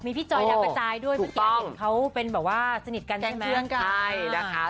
มีพี่จอยดาวกระจายด้วยเมื่อกี้เห็นเขาเป็นแบบว่าสนิทกันเป็นเพื่อนกันใช่นะคะ